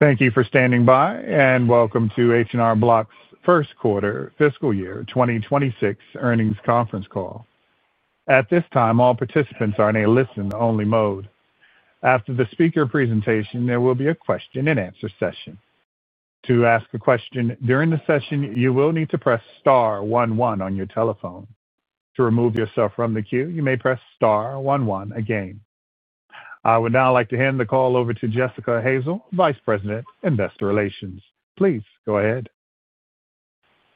Thank you for standing by, and welcome to H&R Block's first quarter, fiscal year 2026 earnings conference call. At this time, all participants are in a listen-only mode. After the speaker presentation, there will be a question-and-answer session. To ask a question during the session, you will need to press * 1 1 on your telephone. To remove yourself from the queue, you may press * 1 1 again. I would now like to hand the call over to Jessica Hazel, Vice President, Investor Relations. Please go ahead.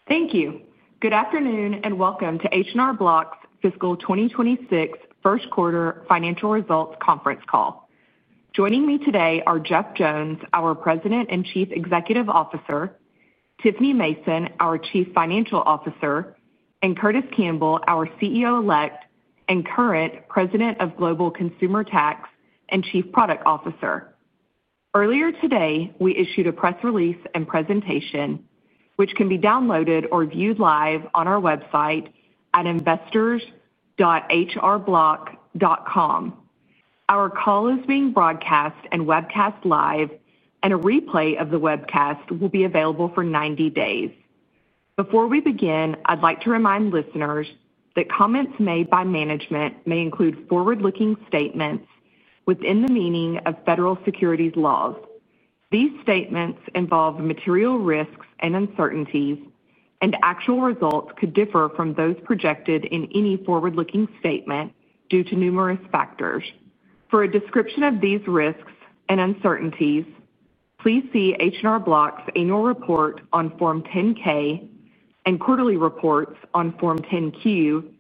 Thank you. Good afternoon and welcome to H&R Block's fiscal 2026 first quarter financial results conference call. Joining me today are Jeff Jones, our President and Chief Executive Officer, Tiffany Mason, our Chief Financial Officer, and Curtis Campbell, our CEO-elect and current President of Global Consumer Tax and Chief Product Officer. Earlier today, we issued a press release and presentation, which can be downloaded or viewed live on our website at investors.hrblock.com. Our call is being broadcast and webcast live, and a replay of the webcast will be available for 90 days. Before we begin, I'd like to remind listeners that comments made by management may include forward-looking statements within the meaning of federal securities laws. These statements involve material risks and uncertainties, and actual results could differ from those projected in any forward-looking statement due to numerous factors. For a description of these risks and uncertainties, please see H&R Block's annual report on Form 10-K and quarterly reports on Form 10-Q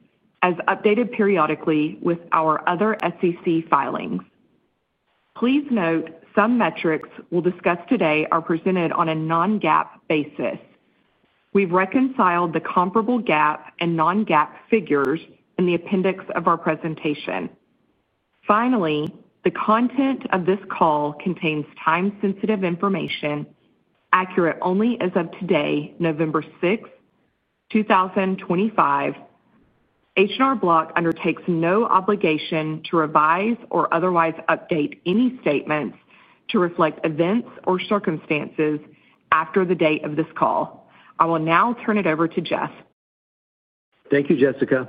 as updated periodically with our other SEC filings. Please note some metrics we'll discuss today are presented on a non-GAAP basis. We've reconciled the comparable GAAP and non-GAAP figures in the appendix of our presentation. Finally, the content of this call contains time-sensitive information accurate only as of today, November 6, 2025. H&R Block undertakes no obligation to revise or otherwise update any statements to reflect events or circumstances after the date of this call. I will now turn it over to Jeff. Thank you, Jessica.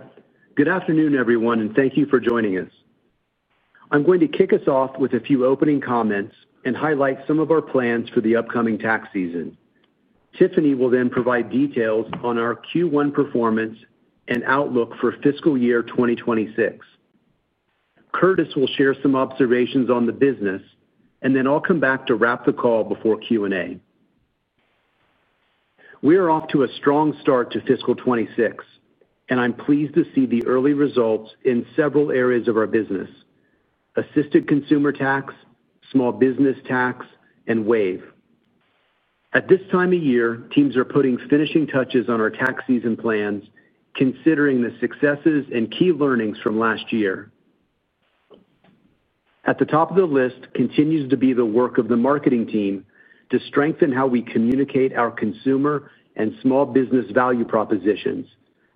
Good afternoon, everyone, and thank you for joining us. I'm going to kick us off with a few opening comments and highlight some of our plans for the upcoming tax season. Tiffany will then provide details on our Q1 performance and outlook for fiscal year 2026. Curtis will share some observations on the business, and then I'll come back to wrap the call before Q&A. We are off to a strong *t to fiscal 2026, and I'm pleased to see the early results in several areas of our business. Assisted consumer tax, small business tax, and WAVE. At this time of year, teams are putting finishing touches on our tax season plans, considering the successes and key learnings from last year. At the top of the list continues to be the work of the marketing team to strengthen how we communicate our consumer and small business value propositions,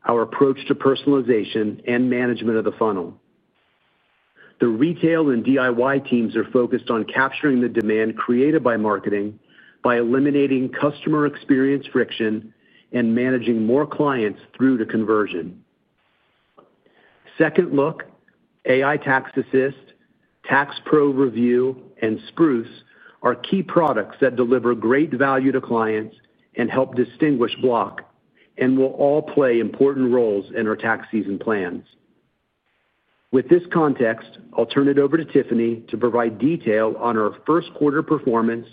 our approach to personalization, and management of the funnel. The retail and DIY teams are focused on capturing the demand created by marketing by eliminating customer experience friction and managing more clients through to conversion. Second Look, AI Tax Assist, Tax Pro Review, and Spruce are key products that deliver great value to clients and help distinguish Block and will all play important roles in our tax season plans. With this context, I'll turn it over to Tiffany to provide detail on our first quarter performance,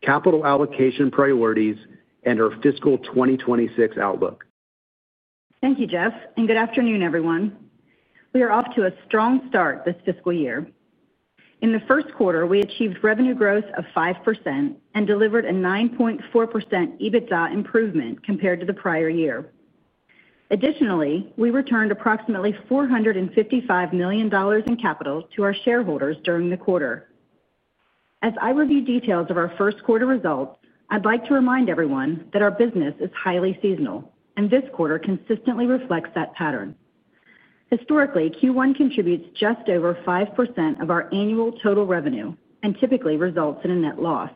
capital allocation priorities, and our fiscal 2026 outlook. Thank you, Jeff, and good afternoon, everyone. We are off to a strong *t this fiscal year. In the first quarter, we achieved revenue growth of 5% and delivered a 9.4% EBITDA improvement compared to the prior year. Additionally, we returned approximately $455 million in capital to our shareholders during the quarter. As I review details of our first quarter results, I'd like to remind everyone that our business is highly seasonal, and this quarter consistently reflects that pattern. Historically, Q1 contributes just over 5% of our annual total revenue and typically results in a net loss.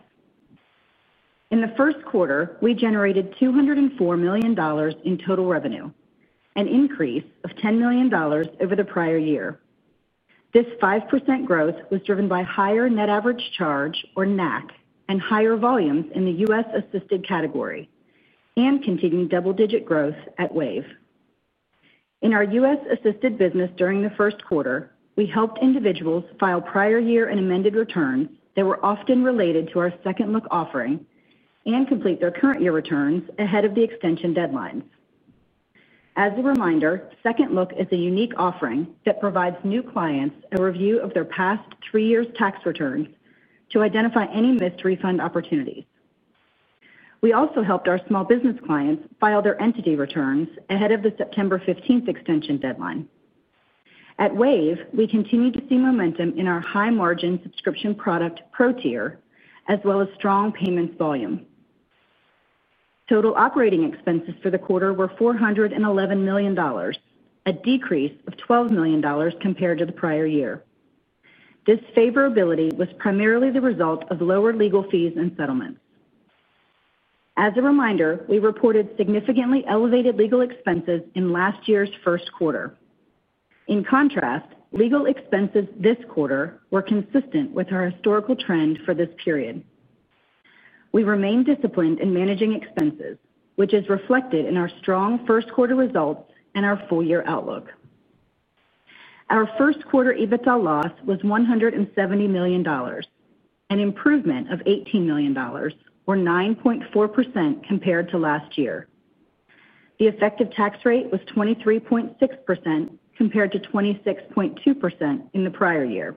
In the first quarter, we generated $204 million in total revenue, an increase of $10 million over the prior year. This 5% growth was driven by higher net average charge, or NAC, and higher volumes in the U.S. assisted category, and continued double-digit growth at Wave. In our U.S. Assisted business during the first quarter, we helped individuals file prior year and amended returns that were often related to our Second Look offering and complete their current year returns ahead of the extension deadlines. As a reminder, Second Look is a unique offering that provides new clients a review of their past three years' tax returns to identify any missed refund opportunities. We also helped our small business clients file their entity returns ahead of the September 15th extension deadline. At WAVE, we continue to see momentum in our high-margin subscription product, Pro Tier, as well as strong payments volume. Total operating expenses for the quarter were $411 million, a decrease of $12 million compared to the prior year. This favorability was primarily the result of lower legal fees and settlements. As a reminder, we reported significantly elevated legal expenses in last year's first quarter. In contrast, legal expenses this quarter were consistent with our historical trend for this period. We remain disciplined in managing expenses, which is reflected in our strong first quarter results and our full year outlook. Our first quarter EBITDA loss was $170 million, an improvement of $18 million, or 9.4% compared to last year. The effective tax rate was 23.6% compared to 26.2% in the prior year.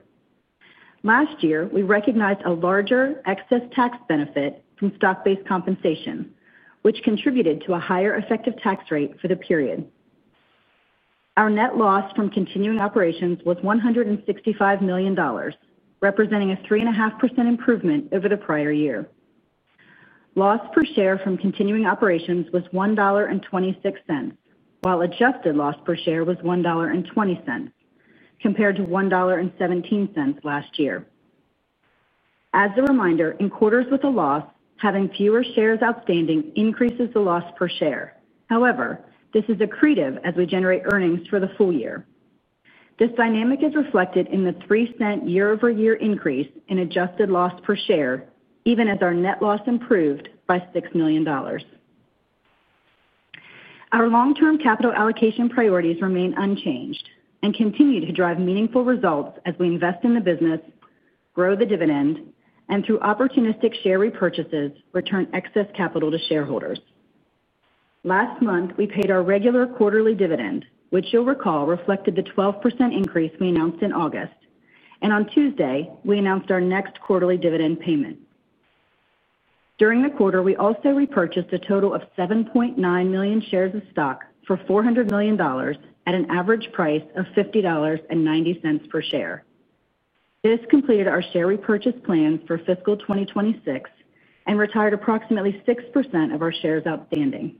Last year, we recognized a larger excess tax benefit from stock-based compensation, which contributed to a higher effective tax rate for the period. Our net loss from continuing operations was $165 million, representing a 3.5% improvement over the prior year. Loss per share from continuing operations was $1.26, while adjusted loss per share was $1.20, compared to $1.17 last year. As a reminder, in quarters with a loss, having fewer shares outstanding increases the loss per share. However, this is accretive as we generate earnings for the full year. This dynamic is reflected in the 3% year-over-year increase in adjusted loss per share, even as our net loss improved by $6 million. Our long-term capital allocation priorities remain unchanged and continue to drive meaningful results as we invest in the business. Grow the dividend, and through opportunistic share repurchases, return excess capital to shareholders. Last month, we paid our regular quarterly dividend, which you'll recall reflected the 12% increase we announced in August. On Tuesday, we announced our next quarterly dividend payment. During the quarter, we also repurchased a total of 7.9 million shares of stock for $400 million at an average price of $50.90 per share. This completed our share repurchase plans for fiscal 2026 and retired approximately 6% of our shares outstanding.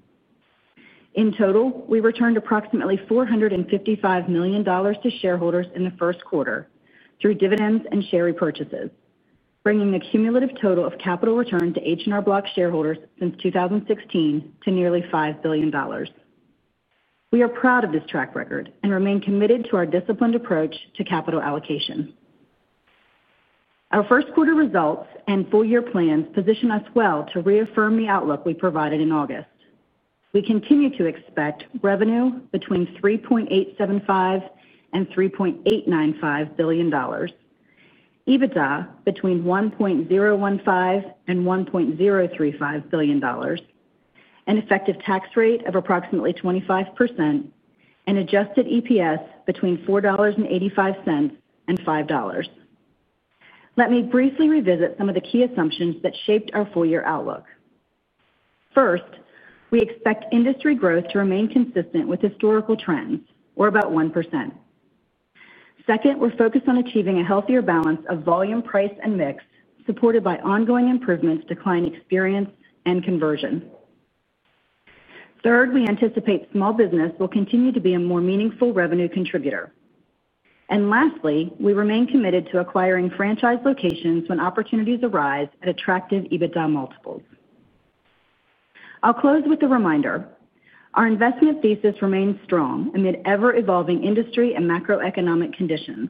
In total, we returned approximately $455 million to shareholders in the first quarter through dividends and share repurchases, bringing the cumulative total of capital return to H&R Block shareholders since 2016 to nearly $5 billion. We are proud of this track record and remain committed to our disciplined approach to capital allocation. Our first quarter results and full year plans position us well to reaffirm the outlook we provided in August. We continue to expect revenue between $3.875 billion and $3.895 billion, EBITDA between $1.015 billion and $1.035 billion, an effective tax rate of approximately 25%, and adjusted EPS between $4.85 and $5. Let me briefly revisit some of the key assumptions that shaped our full year outlook. First, we expect industry growth to remain consistent with historical trends, or about 1%. Second, we're focused on achieving a healthier balance of volume, price, and mix, supported by ongoing improvements to client experience and conversion. Third, we anticipate small business will continue to be a more meaningful revenue contributor. Lastly, we remain committed to acquiring franchise locations when opportunities arise at attractive EBITDA multiples. I'll close with a reminder. Our investment thesis remains strong amid ever-evolving industry and macroeconomic conditions.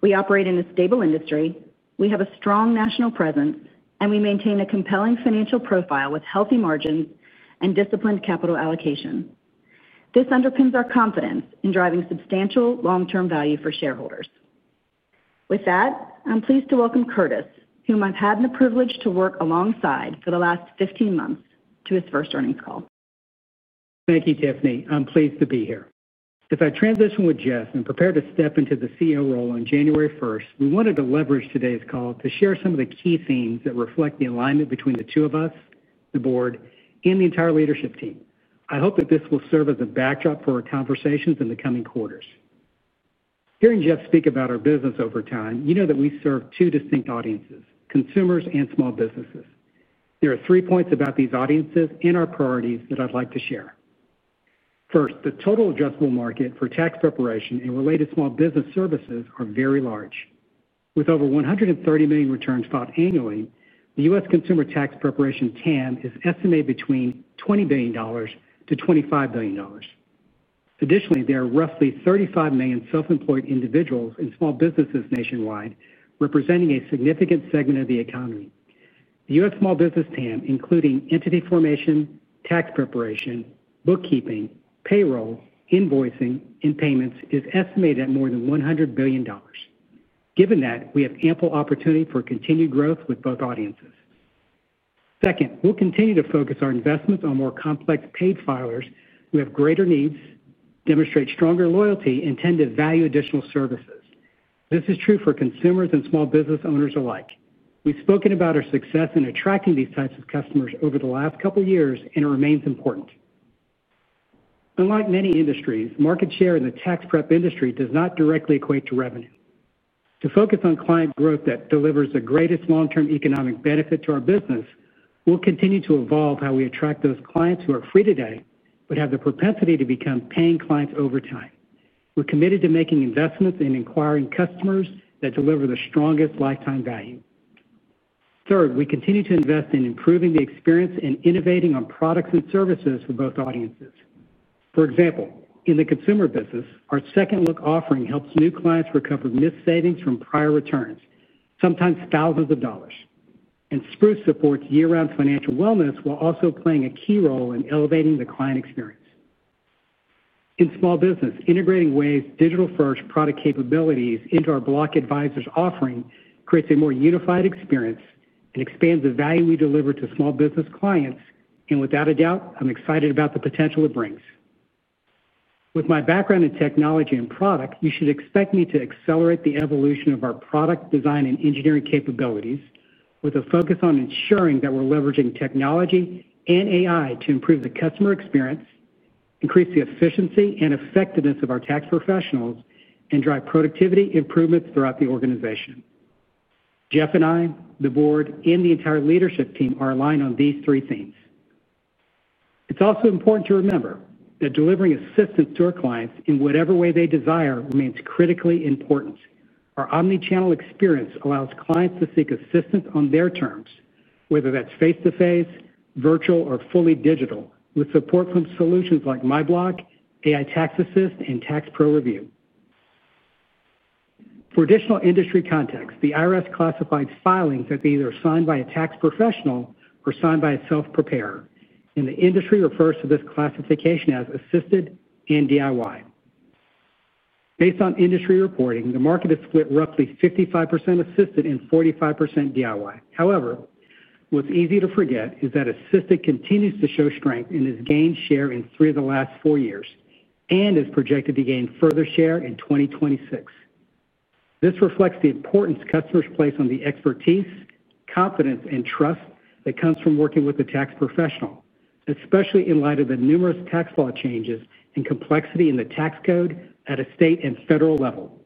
We operate in a stable industry, we have a strong national presence, and we maintain a compelling financial profile with healthy margins and disciplined capital allocation. This underpins our confidence in driving substantial long-term value for shareholders. With that, I'm pleased to welcome Curtis, whom I've had the privilege to work alongside for the last 15 months to his first earnings call. Thank you, Tiffany. I'm pleased to be here. As I transition with Jeff and prepare to step into the CEO role on January 1, we wanted to leverage today's call to share some of the key themes that reflect the alignment between the two of us, the board, and the entire leadership team. I hope that this will serve as a backdrop for our conversations in the coming quarters. Hearing Jeff speak about our business over time, you know that we serve two distinct audiences, consumers and small businesses. There are three points about these audiences and our priorities that I'd like to share. First, the total addressable market for tax preparation and related small business services are very large. With over 130 million returns filed annually, the U.S. consumer tax preparation TAM is estimated between $20 billion and $25 billion. Additionally, there are roughly 35 million self-employed individuals and small businesses nationwide representing a significant segment of the economy. The U.S. small business TAM, including entity formation, tax preparation, bookkeeping, payroll, invoicing, and payments, is estimated at more than $100 billion. Given that, we have ample opportunity for continued growth with both audiences. Second, we'll continue to focus our investments on more complex paid filers who have greater needs, demonstrate stronger loyalty, and tend to value additional services. This is true for consumers and small business owners alike. We've spoken about our success in attracting these types of customers over the last couple of years, and it remains important. Unlike many industries, market share in the tax prep industry does not directly equate to revenue. To focus on client growth that delivers the greatest long-term economic benefit to our business, we'll continue to evolve how we attract those clients who are free today but have the propensity to become paying clients over time. We're committed to making investments in acquiring customers that deliver the strongest lifetime value. Third, we continue to invest in improving the experience and innovating on products and services for both audiences. For example, in the consumer business, our Second Look offering helps new clients recover missed savings from prior returns, sometimes thousands of dollars. Spruce supports year-round financial wellness while also playing a key role in elevating the client experience. In small business, integrating WAVE's digital-first product capabilities into our Block Advisors offering creates a more unified experience and expands the value we deliver to small business clients. Without a doubt, I'm excited about the potential it brings. With my background in technology and product, you should expect me to accelerate the evolution of our product design and engineering capabilities with a focus on ensuring that we're leveraging technology and AI to improve the customer experience, increase the efficiency and effectiveness of our tax professionals, and drive productivity improvements throughout the organization. Jeff and I, the board, and the entire leadership team are aligned on these three themes. It's also important to remember that delivering assistance to our clients in whatever way they desire remains critically important. Our omnichannel experience allows clients to seek assistance on their terms, whether that's face-to-face, virtual, or fully digital, with support from solutions like myBlock, AI Tax Assist, and Tax Pro Review. For additional industry context, the IRS classifies filings that are either signed by a tax professional or signed by a self-preparer, and the industry refers to this classification as assisted and DIY. Based on industry reporting, the market is split roughly 55% assisted and 45% DIY. However, what's easy to forget is that assisted continues to show strength in its gained share in three of the last four years and is projected to gain further share in 2026. This reflects the importance customers place on the expertise, confidence, and trust that comes from working with a tax professional, especially in light of the numerous tax law changes and complexity in the tax code at a state and federal level.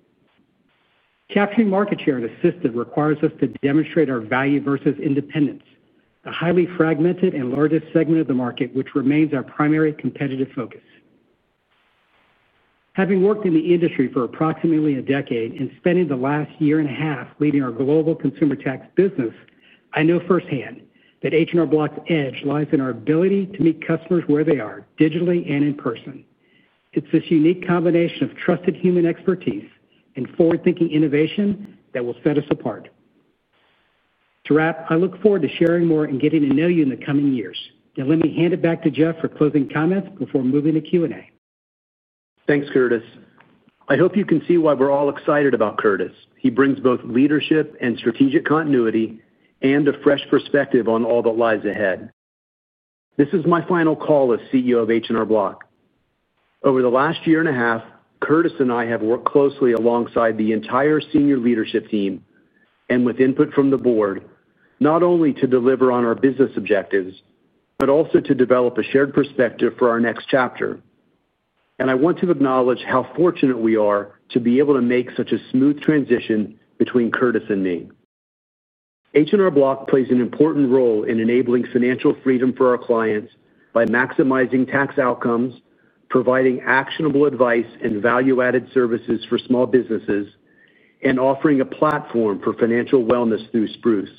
Capturing market share in assisted requires us to demonstrate our value versus independence, the highly fragmented and largest segment of the market, which remains our primary competitive focus. Having worked in the industry for approximately a decade and spending the last year and a half leading our global consumer tax business, I know firsthand that H&R Block's edge lies in our ability to meet customers where they are, digitally and in person. It's this unique combination of trusted human expertise and forward-thinking innovation that will set us apart. To wrap, I look forward to sharing more and getting to know you in the coming years. Now, let me hand it back to Jeff for closing comments before moving to Q&A. Thanks, Curtis. I hope you can see why we're all excited about Curtis. He brings both leadership and strategic continuity and a fresh perspective on all that lies ahead. This is my final call as CEO of H&R Block. Over the last year and a half, Curtis and I have worked closely alongside the entire senior leadership team and with input from the board, not only to deliver on our business objectives, but also to develop a shared perspective for our next chapter. I want to acknowledge how fortunate we are to be able to make such a smooth transition between Curtis and me. H&R Block plays an important role in enabling financial freedom for our clients by maximizing tax outcomes, providing actionable advice and value-added services for small businesses, and offering a platform for financial wellness through Spruce.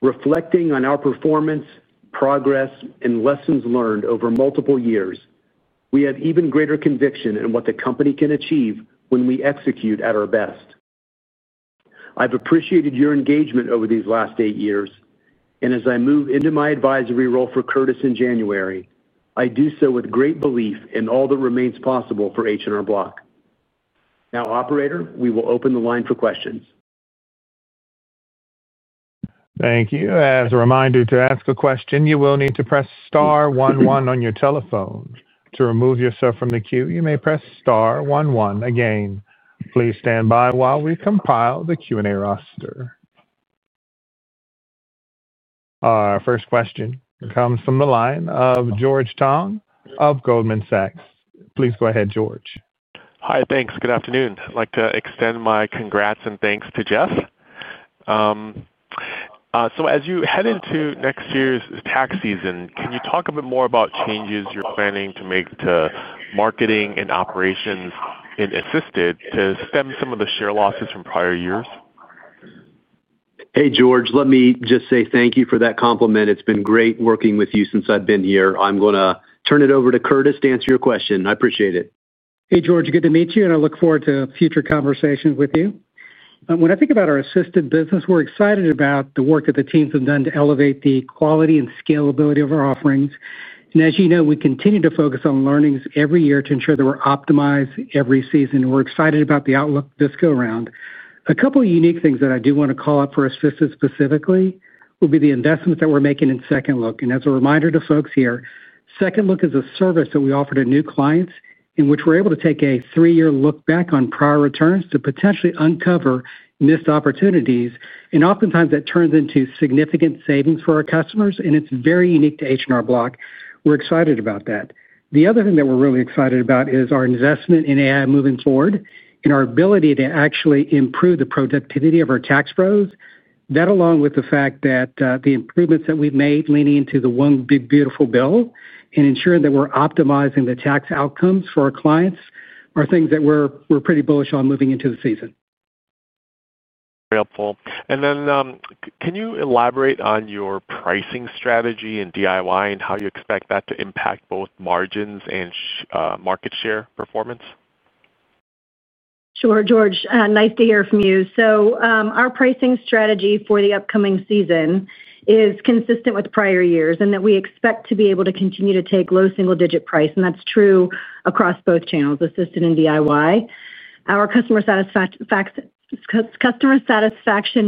Reflecting on our performance, progress, and lessons learned over multiple years, we have even greater conviction in what the company can achieve when we execute at our best. I've appreciated your engagement over these last eight years, and as I move into my advisory role for Curtis in January, I do so with great belief in all that remains possible for H&R Block. Now, Operator, we will open the line for questions. Thank you. As a reminder, to ask a question, you will need to press * 11 on your telephone. To remove yourself from the queue, you may press * 11 again. Please stand by while we compile the Q&A roster. Our first question comes from the line of George Tong of Goldman Sachs. Please go ahead, George. Hi, thanks. Good afternoon. I'd like to extend my congrats and thanks to Jeff. As you head into next year's tax season, can you talk a bit more about changes you're planning to make to marketing and operations in Assisted to stem some of the share losses from prior years? Hey, George, let me just say thank you for that compliment. It's been great working with you since I've been here. I'm going to turn it over to Curtis to answer your question. I appreciate it. Hey, George. Good to meet you, and I look forward to future conversations with you. When I think about our assisted business, we're excited about the work that the teams have done to elevate the quality and scalability of our offerings. As you know, we continue to focus on learnings every year to ensure that we're optimized every season, and we're excited about the outlook this go around. A couple of unique things that I do want to call out for assisted specifically will be the investments that we're making in Second Look. As a reminder to folks here, Second Look is a service that we offer to new clients in which we're able to take a three-year look back on prior returns to potentially uncover missed opportunities. Oftentimes, that turns into significant savings for our customers, and it's very unique to H&R Block. We're excited about that. The other thing that we're really excited about is our investment in AI moving forward and our ability to actually improve the productivity of our tax pros. That, along with the fact that the improvements that we've made leaning into the one big beautiful bill and ensuring that we're optimizing the tax outcomes for our clients, are things that we're pretty bullish on moving into the season. Very helpful. Can you elaborate on your pricing strategy in DIY and how you expect that to impact both margins and market share performance? Sure, George. Nice to hear from you. Our pricing strategy for the upcoming season is consistent with prior years in that we expect to be able to continue to take low single-digit price, and that's true across both channels, assisted and DIY. Our customer satisfaction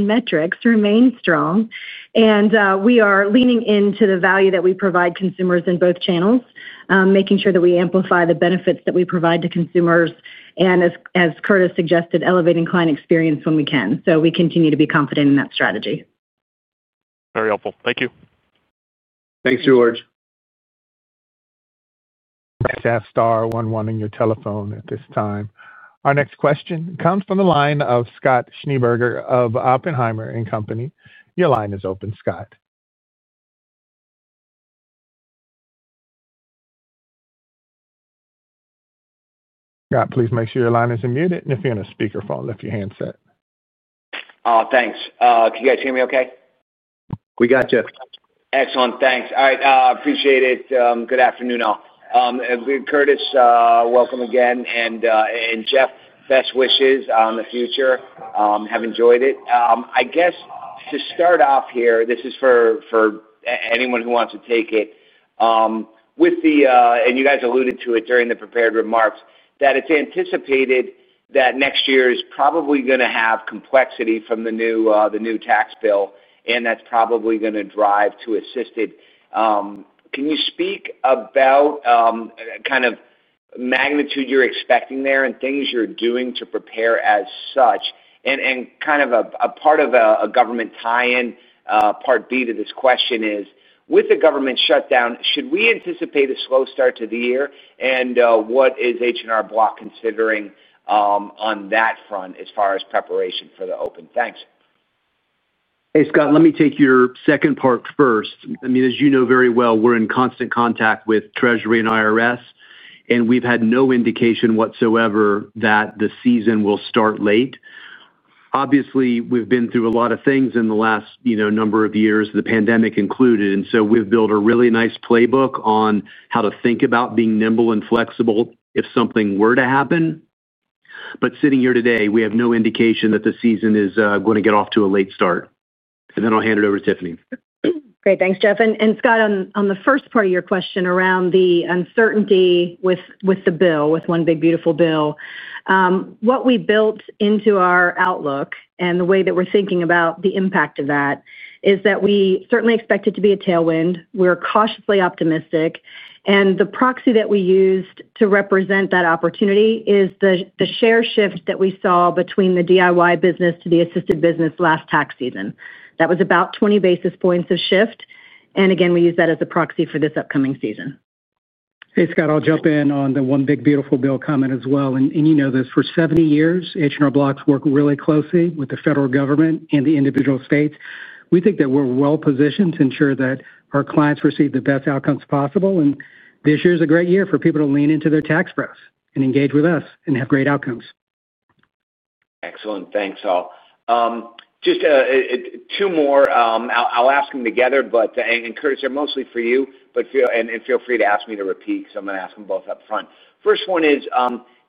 metrics remain strong, and we are leaning into the value that we provide consumers in both channels, making sure that we amplify the benefits that we provide to consumers and, as Curtis suggested, elevating client experience when we can. We continue to be confident in that strategy. Very helpful. Thank you. Thanks, George. * 11 on your telephone at this time. Our next question comes from the line of Scott Schneeberger of Oppenheimer and Company. Your line is open, Scott. Scott, please make sure your line is muted, and if you're on a speakerphone, lift your handset. Oh, thanks. Can you guys hear me okay? We got you. Excellent. Thanks. All right. I appreciate it. Good afternoon all. Curtis, welcome again. And Jeff, best wishes in the future. I have enjoyed it. I guess to start off here, this is for anyone who wants to take it. You guys alluded to it during the prepared remarks that it's anticipated that next year is probably going to have complexity from the new tax bill, and that's probably going to drive to assisted. Can you speak about kind of magnitude you're expecting there and things you're doing to prepare as such? Kind of a part of a government tie-in, part B to this question is, with the government shutdown, should we anticipate a slow start to the year? What is H&R Block considering on that front as far as preparation for the open? Thanks. Hey, Scott, let me take your second part first. I mean, as you know very well, we're in constant contact with Treasury and IRS, and we've had no indication whatsoever that the season will *t late. Obviously, we've been through a lot of things in the last number of years, the pandemic included, and so we've built a really nice playbook on how to think about being nimble and flexible if something were to happen. Sitting here today, we have no indication that the season is going to get off to a late *t. I'll hand it over to Tiffany. Great. Thanks, Jeff. Scott, on the first part of your question around the uncertainty with the bill, with one big beautiful bill. What we built into our outlook and the way that we're thinking about the impact of that is that we certainly expect it to be a tailwind. We're cautiously optimistic. The proxy that we used to represent that opportunity is the share shift that we saw between the DIY business to the assisted business last tax season. That was about 20 basis points of shift. We use that as a proxy for this upcoming season. Hey, Scott, I'll jump in on the one big beautiful bill comment as well. You know this, for 70 years, H&R Block's worked really closely with the federal government and the individual states. We think that we're well-positioned to ensure that our clients receive the best outcomes possible. This year is a great year for people to lean into their tax preps and engage with us and have great outcomes. Excellent. Thanks all. Just two more. I'll ask them together, but Curtis, they're mostly for you, and feel free to ask me to repeat, because I'm going to ask them both up front. First one is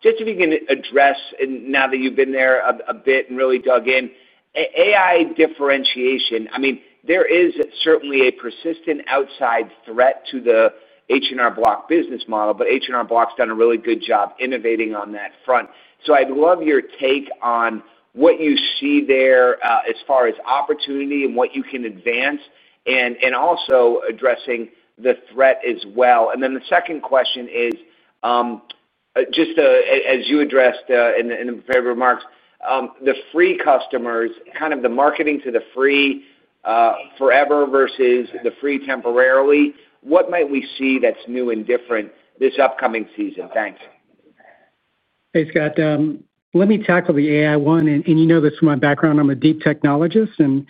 just if you can address, now that you've been there a bit and really dug in, AI differentiation. I mean, there is certainly a persistent outside threat to the H&R Block business model, but H&R Block's done a really good job innovating on that front. I'd love your take on what you see there as far as opportunity and what you can advance and also addressing the threat as well. The second question is just as you addressed in the prepared remarks, the free customers, kind of the marketing to the free forever versus the free temporarily, what might we see that's new and different this upcoming season? Thanks. Hey, Scott, let me tackle the AI one. And you know this from my background. I'm a deep technologist, and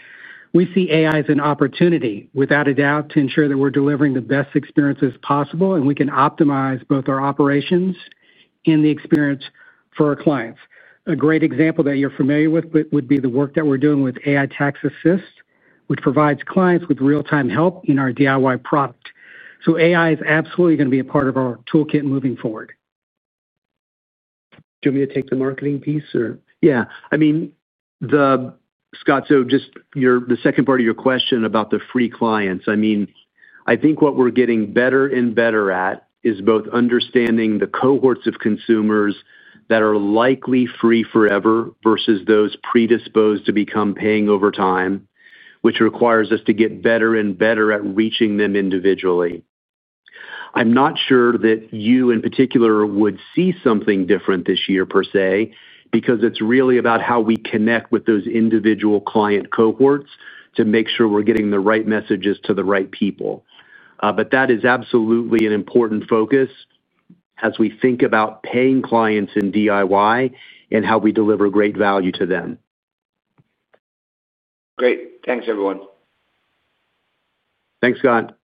we see AI as an opportunity, without a doubt, to ensure that we're delivering the best experiences possible and we can optimize both our operations and the experience for our clients. A great example that you're familiar with would be the work that we're doing with AI Tax Assist, which provides clients with real-time help in our DIY product. So AI is absolutely going to be a part of our toolkit moving forward. Do you want me to take the marketing piece or? I mean. Scott, just the second part of your question about the free clients, I mean, I think what we're getting better and better at is both understanding the cohorts of consumers that are likely free forever versus those predisposed to become paying over time, which requires us to get better and better at reaching them individually. I'm not sure that you in particular would see something different this year per se, because it's really about how we connect with those individual client cohorts to make sure we're getting the right messages to the right people. That is absolutely an important focus as we think about paying clients in DIY and how we deliver great value to them. Great. Thanks, everyone. Thanks, Scott.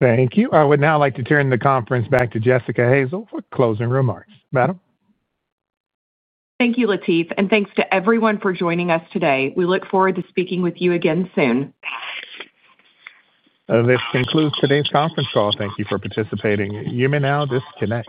Thank you. I would now like to turn the conference back to Jessica Hazel for closing remarks. Madam? Thank you, Latif. Thank you to everyone for joining us today. We look forward to speaking with you again soon. This concludes today's conference call. Thank you for participating. You may now disconnect.